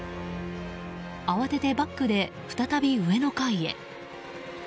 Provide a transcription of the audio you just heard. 慌ててバックで再び上の階へ。